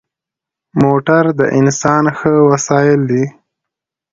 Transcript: موټر د انسان ښه وسایل دی.